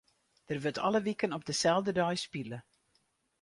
Der wurdt alle wiken op deselde dei spile.